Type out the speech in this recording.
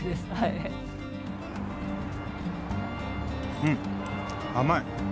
うん、甘い。